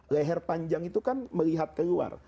leher panjang itu kan melihat keluar